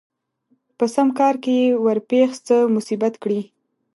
په سم کار کې يې ورپېښ څه مصيبت کړي